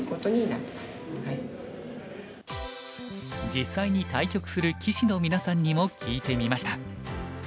実際に対局する棋士のみなさんにも聞いてみました。